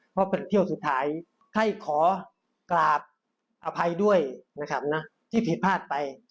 เพราะเป็นเที่ยวสุดท้ายใครขอกราบอภัยด้วยนะครับที่ผิดพลาดไป